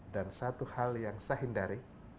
dan satu hal yang saya hindari